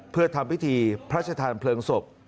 เพื่อทำพิธีพระชธานเพลิงศพ